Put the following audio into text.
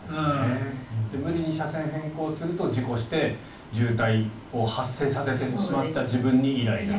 無理に車線変更すると事故して渋滞を発生させてしまった自分にイライラ。